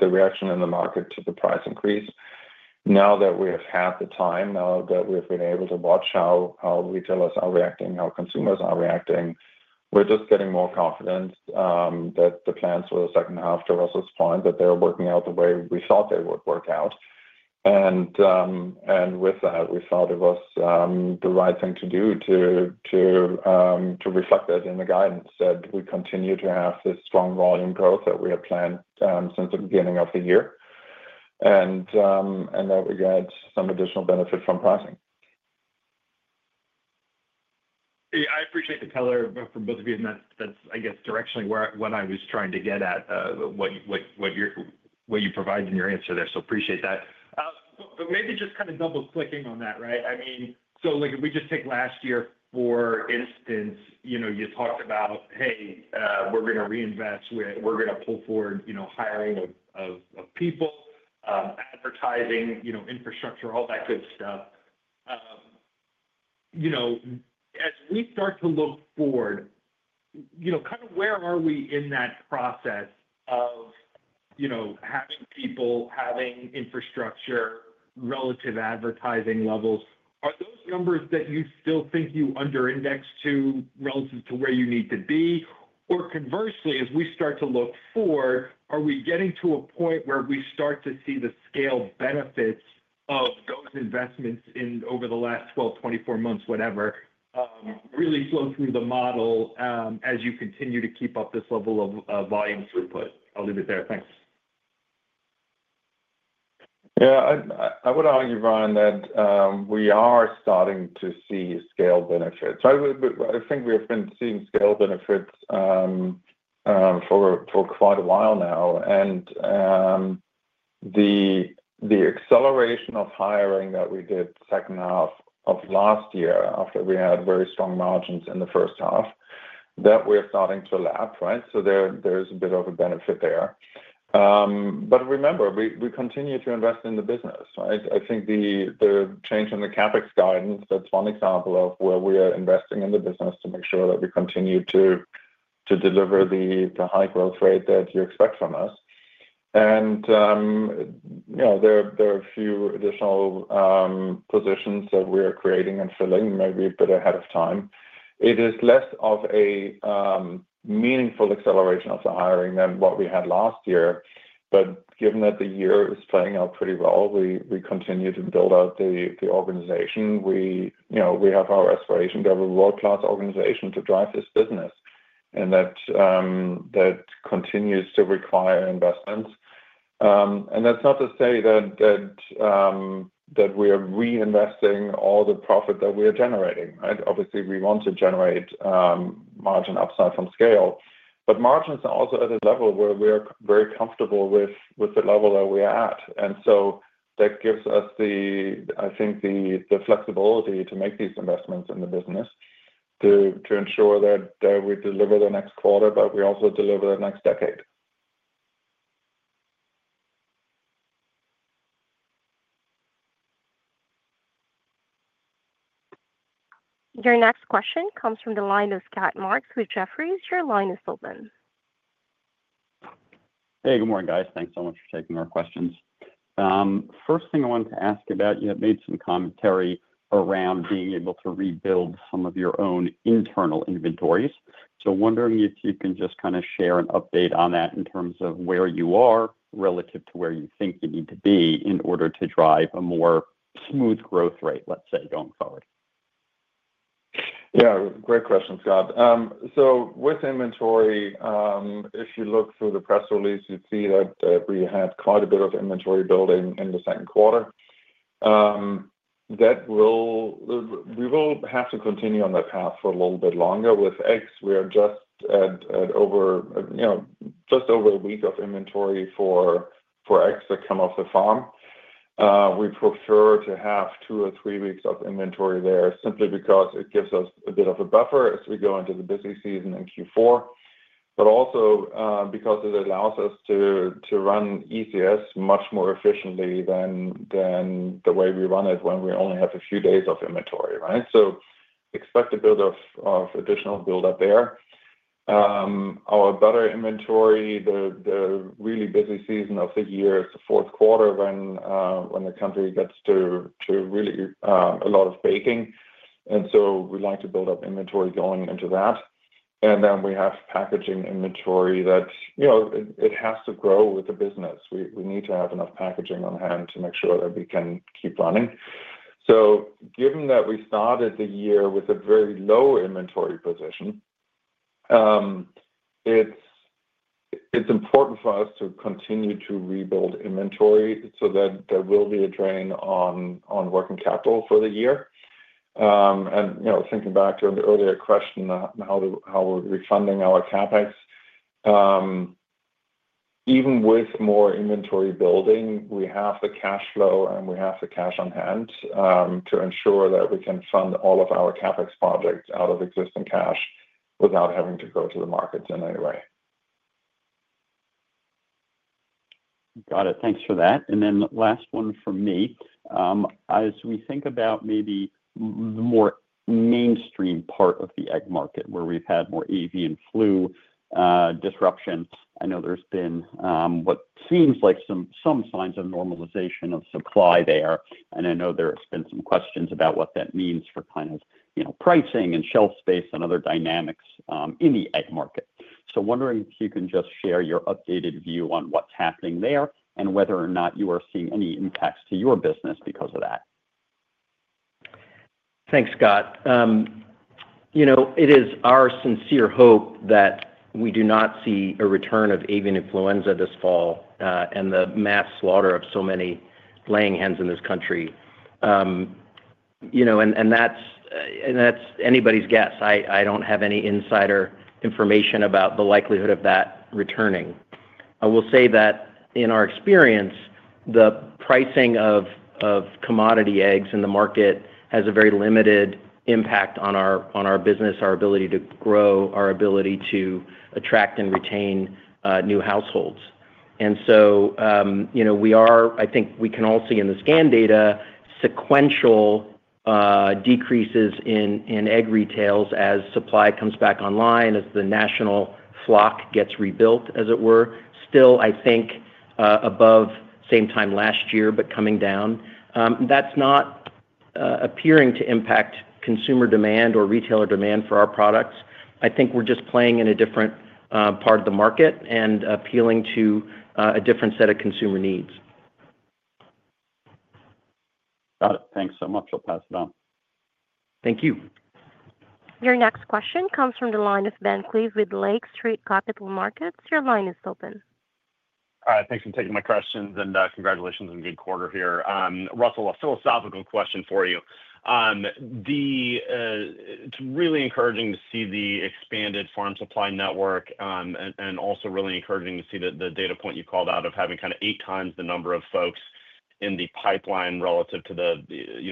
reaction in the market to the price increase. Now that we have had the time, now that we've been able to watch how retailers are reacting, how consumers are reacting, we're just getting more confident that the plans for the second half, to Russell's point, that they're working out the way we thought they would work out. With that, we thought it was the right thing to do to reflect that in the guidance, that we continue to have this strong volume growth that we had planned since the beginning of the year, and that we get some additional benefit from pricing. I appreciate the color from both of you, and that's, I guess, directionally what I was trying to get at, what you provided in your answer there. I appreciate that. Maybe just kind of double-clicking on that, right? If we just take last year, for instance, you talked about, hey, we're going to reinvest with, we're going to pull forward, you know, hiring of people, advertising, infrastructure, all that good stuff. As we start to look forward, kind of where are we in that process of having people, having infrastructure, relative advertising levels? Are those numbers that you still think you under-index to relative to where you need to be? Conversely, as we start to look forward, are we getting to a point where we start to see the scale benefit of those investments in over the last 12, 24 months, whatever really flow through the model as you continue to keep up this level of volume throughput? I'll leave it there. Thanks. Yeah, I would argue, Brian, that we are starting to see scale benefits. I think we have been seeing scale benefits for quite a while now. The acceleration of hiring that we did the second half of last year after we had very strong margins in the first half, that we're starting to lap, right? There is a bit of a benefit there. Remember, we continue to invest in the business, right? I think the change in the CapEx guidance, that's one example of where we are investing in the business to make sure that we continue to deliver the high growth rate that you expect from us. There are a few additional positions that we are creating and filling, maybe a bit ahead of time. It is less of a meaningful acceleration of the hiring than what we had last year. Given that the year is playing out pretty well, we continue to build out the organization. We have our aspiration to have a world-class organization to drive this business. That continues to require investments. That's not to say that we are reinvesting all the profit that we are generating, right? Obviously, we want to generate margin upside from scale. Margins are also at a level where we are very comfortable with the level that we are at. That gives us, I think, the flexibility to make these investments in the business to ensure that we deliver the next quarter, but we also deliver the next decade. Your next question comes from the line of Scott Marks with Jefferies. Your line is open. Hey, good morning, guys. Thanks so much for taking our questions. First thing I wanted to ask about, you had made some commentary around being able to rebuild some of your own internal inventories. I'm wondering if you can just kind of share an update on that in terms of where you are relative to where you think you need to be in order to drive a more smooth growth rate, let's say, going forward. Yeah, great question, Scott. With inventory, if you look through the press release, you'd see that we had quite a bit of inventory building in the second quarter. We will have to continue on that path for a little bit longer. With eggs, we are just at over, you know, just over a week of inventory for eggs that come off the farm. We prefer to have two or three weeks of inventory there simply because it gives us a bit of a buffer as we go into the busy season in Q4. It also allows us to run Egg Central Station much more efficiently than the way we run it when we only have a few days of inventory, right? Expect a bit of additional buildup there. Our butter inventory, the really busy season of the year, the fourth quarter when the country gets to really a lot of baking. We like to build up inventory going into that. We have packaging inventory that, you know, it has to grow with the business. We need to have enough packaging on hand to make sure that we can keep running. Given that we started the year with a very low inventory position, it's important for us to continue to rebuild inventory so that there will be a drain on working capital for the year. Thinking back to the earlier question about how we're funding our CapEx, even with more inventory building, we have the cash flow and we have the cash on hand to ensure that we can fund all of our CapEx projects out of existing cash without having to go to the markets in any way. Got it. Thanks for that. The last one from me. As we think about maybe the more mainstream part of the egg market, where we've had more avian flu disruption, I know there's been what seems like some signs of normalization of supply there. I know there have been some questions about what that means for kind of, you know, pricing and shelf space and other dynamics in the egg market. I'm wondering if you can just share your updated view on what's happening there and whether or not you are seeing any impacts to your business because of that. Thanks, Scott. It is our sincere hope that we do not see a return of avian influenza this fall and the mass slaughter of so many laying hens in this country. That's anybody's guess. I don't have any insider information about the likelihood of that returning. I will say that in our experience, the pricing of commodity eggs in the market has a very limited impact on our business, our ability to grow, our ability to attract and retain new households. I think we can all see in the scan data, sequential decreases in egg retails as supply comes back online, as the national flock gets rebuilt, as it were. Still, I think above same time last year, but coming down. That's not appearing to impact consumer demand or retailer demand for our products. I think we're just playing in a different part of the market and appealing to a different set of consumer needs. Got it. Thanks so much. I'll pass it on. Thank you. Your next question comes from the line of Ben Klieve with Lake Street Capital Markets. Your line is open. All right, thanks for taking my question, and congratulations on a good quarter here. Russell, a philosophical question for you. It's really encouraging to see the expanded farm supply network, and also really encouraging to see the data point you called out of having kind of 8x the number of folks in the pipeline relative to the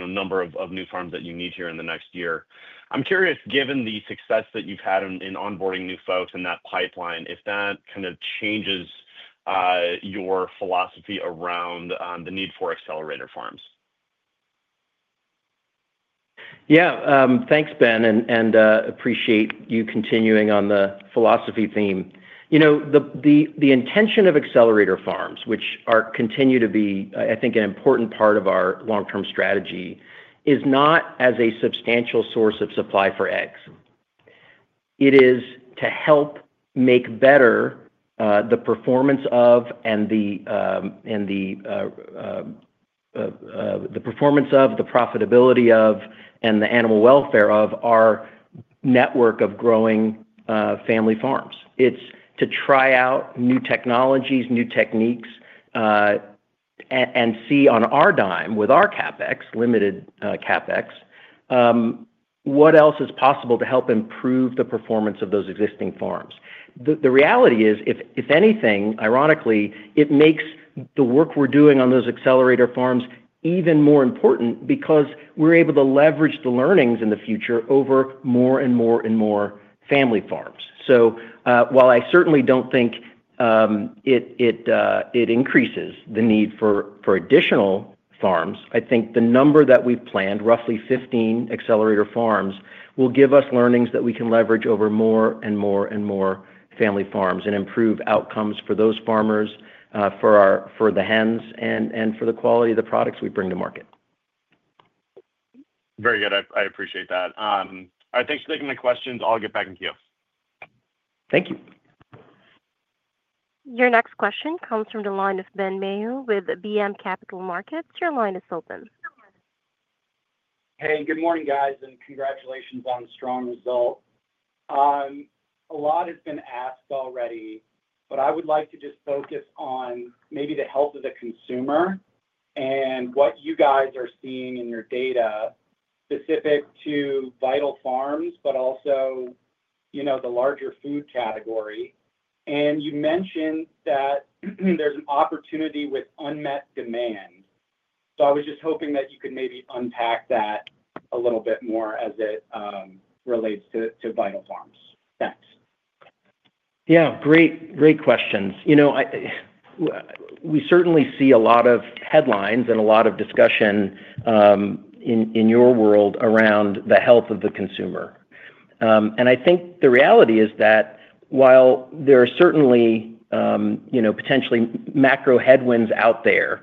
number of new farms that you need here in the next year. I'm curious, given the success that you've had in onboarding new folks in that pipeline, if that kind of changes your philosophy around the need for accelerator farms. Yeah, thanks, Ben, and appreciate you continuing on the philosophy theme. You know, the intention of accelerator farms, which continue to be, I think, an important part of our long-term strategy, is not as a substantial source of supply for eggs. It is to help make better the performance of, and the profitability of, and the animal welfare of our network of growing family farms. It's to try out new technologies, new techniques, and see on our dime with our CapEx, limited CapEx, what else is possible to help improve the performance of those existing farms. The reality is, if anything, ironically, it makes the work we're doing on those accelerator farms even more important because we're able to leverage the learnings in the future over more and more and more family farms. I certainly don't think it increases the need for additional farms. I think the number that we planned, roughly 15 accelerator farms, will give us learnings that we can leverage over more and more and more family farms and improve outcomes for those farmers, for the hens, and for the quality of the products we bring to market. Very good. I appreciate that. All right, thanks for taking the questions. I'll get back with you. Thank you. Your next question comes from the line of Ben Mayhew with BMO Capital Markets. Your line is open. Hey, good morning, guys, and congratulations on a strong result. A lot has been asked already, but I would like to just focus on maybe the health of the consumer and what you guys are seeing in your data specific to Vital Farms, but also the larger food category. You mentioned that there's an opportunity with unmet demand. I was just hoping that you could maybe unpack that a little bit more as it relates to Vital Farms. Thanks. Yeah, great, great questions. We certainly see a lot of headlines and a lot of discussion in your world around the health of the consumer. I think the reality is that while there are certainly potentially macro headwinds out there,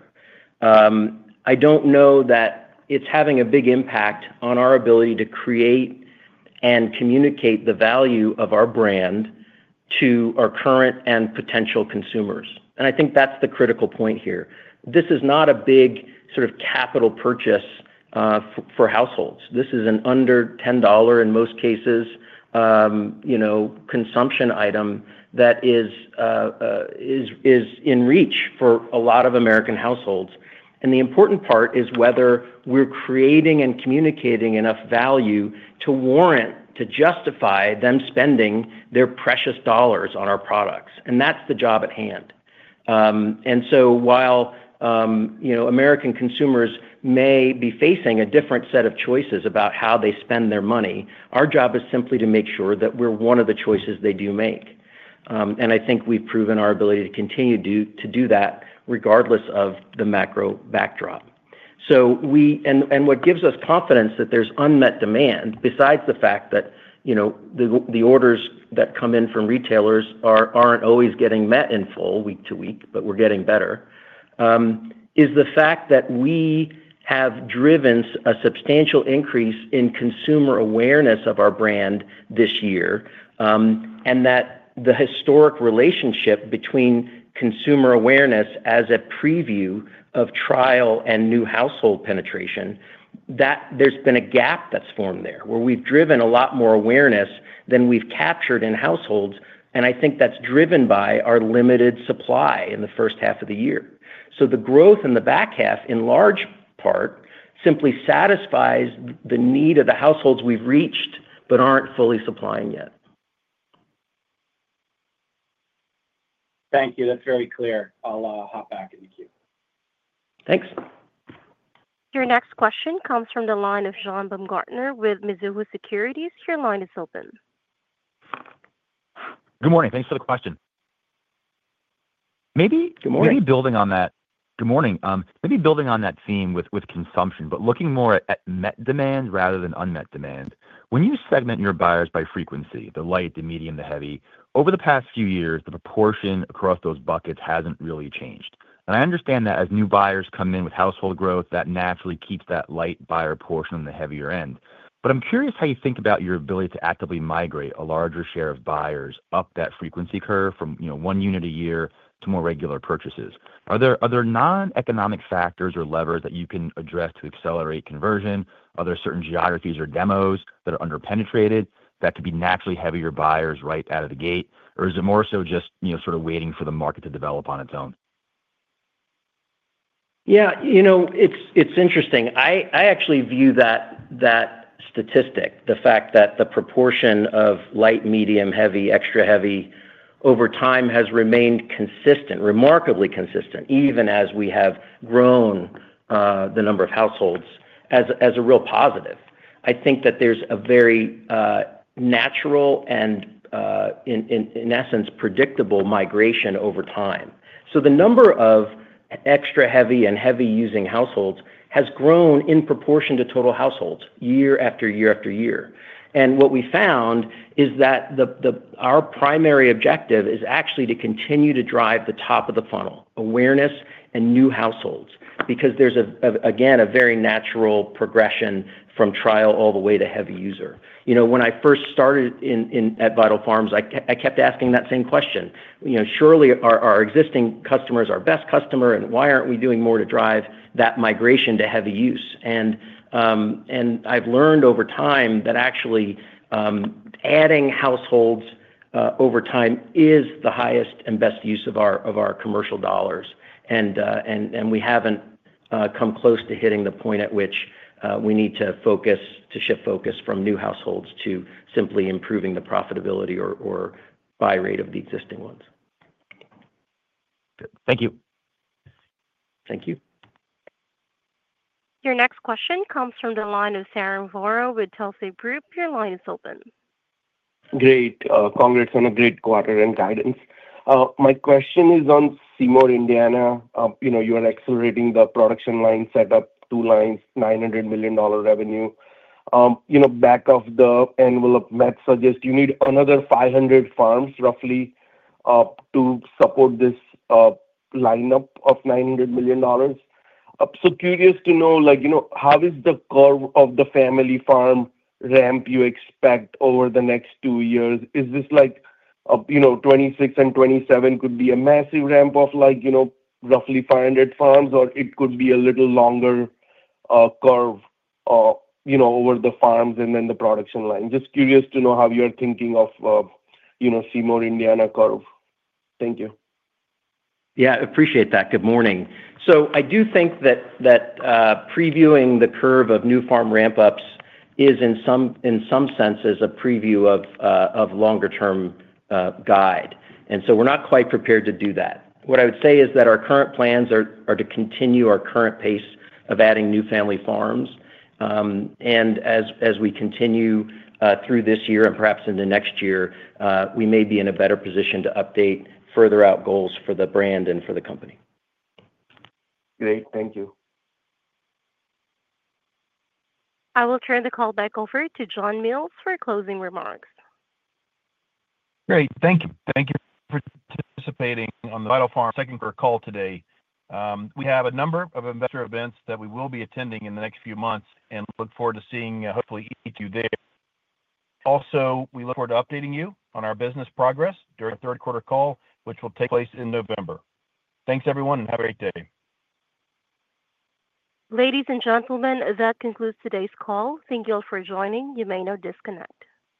I don't know that it's having a big impact on our ability to create and communicate the value of our brand to our current and potential consumers. I think that's the critical point here. This is not a big sort of capital purchase for households. This is an under $10 in most cases, consumption item that is in reach for a lot of American households. The important part is whether we're creating and communicating enough value to warrant, to justify them spending their precious dollars on our products. That's the job at hand. While American consumers may be facing a different set of choices about how they spend their money, our job is simply to make sure that we're one of the choices they do make. I think we've proven our ability to continue to do that regardless of the macro backdrop. What gives us confidence that there's unmet demand, besides the fact that the orders that come in from retailers aren't always getting met in full week-to-week, but we're getting better, is the fact that we have driven a substantial increase in consumer awareness of our brand this year. The historic relationship between consumer awareness as a preview of trial and new household penetration, that there's been a gap that's formed there, where we've driven a lot more awareness than we've captured in households. I think that's driven by our limited supply in the first half of the year. The growth in the back half, in large part, simply satisfies the need of the households we've reached but aren't fully supplying yet. Thank you. That's very clear. I'll hop back in the queue. Thanks. Your next question comes from the line of John Baumgartner with Mizuho Securities. Your line is open. Good morning. Thanks for the question. Maybe building on that, good morning. Maybe building on that theme with consumption, but looking more at met demand rather than unmet demand. When you segment your buyers by frequency, the light, the medium, the heavy, over the past few years, the proportion across those buckets hasn't really changed. I understand that as new buyers come in with household growth, that naturally keeps that light buyer portion on the heavier end. I'm curious how you think about your ability to actively migrate a larger share of buyers up that frequency curve from, you know, one unit a year to more regular purchases. Are there other non-economic factors or levers that you can address to accelerate conversion? Are there certain geographies or demos that are underpenetrated that could be naturally heavier buyers right out of the gate? Is it more so just, you know, sort of waiting for the market to develop on its own? Yeah, you know, it's interesting. I actually view that statistic, the fact that the proportion of light, medium, heavy, extra heavy over time has remained consistent, remarkably consistent, even as we have grown the number of households, as a real positive. I think that there's a very natural and, in essence, predictable migration over time. The number of extra heavy and heavy using households has grown in proportion to total households, year after year after year. What we found is that our primary objective is actually to continue to drive the top of the funnel, awareness and new households, because there's, again, a very natural progression from trial all the way to heavy user. You know, when I first started at Vital Farms, I kept asking that same question. You know, surely our existing customers are our best customer, and why aren't we doing more to drive that migration to heavy use? I've learned over time that actually adding households over time is the highest and best use of our commercial dollars. We haven't come close to hitting the point at which we need to shift focus from new households to simply improving the profitability or buy rate of the existing ones. Thank you. Thank you. Your next question comes from the line of Sarang Vora with Telsey Group. Your line is open. Great. Congrats on a great quarter and guidance. My question is on Seymour, Indiana. You're accelerating the production line, set up two lines, $900 million revenue. Back of the envelope, Matt suggests you need another 500 farms, roughly, to support this lineup of $900 million. Curious to know how is the curve of the family farm ramp you expect over the next two years? Is this like 2026 and 2027 could be a massive ramp of roughly 500 farms, or it could be a little longer curve over the farms and then the production line? Just curious to know how you're thinking of the Seymour, Indiana curve. Thank you. Yeah, I appreciate that. Good morning. I do think that previewing the curve of new farm ramp-ups is, in some senses, a preview of longer-term guide. We're not quite prepared to do that. What I would say is that our current plans are to continue our current pace of adding new family farms. As we continue through this year and perhaps into next year, we may be in a better position to update further out goals for the brand and for the company. Great. Thank you. I will turn the call back over to John Mills for closing remarks. Great. Thank you. Thank you for participating on the Vital Farms second quarter call today. We have a number of investor events that we will be attending in the next few months and look forward to seeing hopefully each of you there. We also look forward to updating you on our business progress during the third quarter call, which will take place in November. Thanks, everyone, and have a great day. Ladies and gentlemen, that concludes today's call. Thank you all for joining. You may now disconnect.